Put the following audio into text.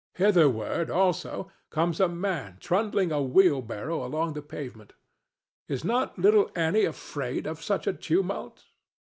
Hitherward, also, comes a man trundling a wheelbarrow along the pavement. Is not little Annie afraid of such a tumult?